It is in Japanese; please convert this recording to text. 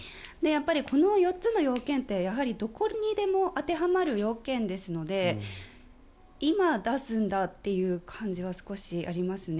この４つの要件ってやはりどこにでも当てはまる要件ですので今、出すんだという感じは少しありますね。